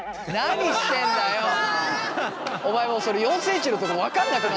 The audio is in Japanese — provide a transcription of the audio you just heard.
お前もうそれ４ｃｍのとこ分かんなくなって。